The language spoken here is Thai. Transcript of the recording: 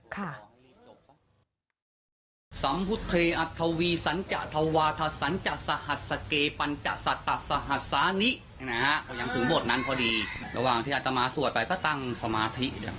ก็เลยมีเสียงแววแววมาประทบที่หู